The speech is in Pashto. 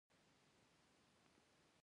سابه خوړل د بدن اوسپنه زیاتوي.